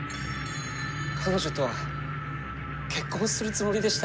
彼女とは結婚するつもりでした。